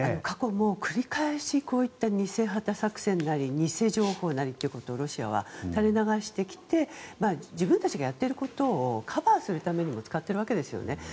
過去も繰り返しこういった偽旗作戦なり偽情報なりということをロシアは垂れ流してきて自分たちがやっていることをカバーするためにも使っているわけですよね。